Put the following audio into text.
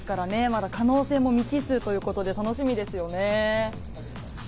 まだ可能性も未知数ということで、楽しみですね。